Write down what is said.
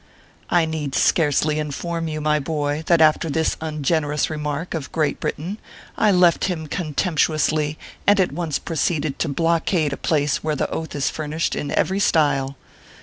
I need scarcely inform you, my boy, that after this ungenerous remark of Great Britain, I left him con temptuously, and at once proceeded to blockade a place where the Oath is furnished in every style.